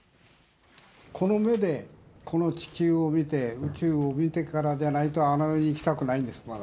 この目で、この地球を見て、宇宙を見てからじゃないと、あの世に行きたくないんです、まだ。